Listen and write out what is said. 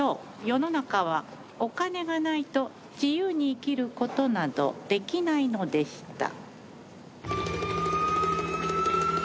世の中はお金がないと自由に生きる事などできないのでした。